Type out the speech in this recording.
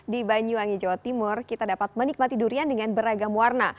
di banyuwangi jawa timur kita dapat menikmati durian dengan beragam warna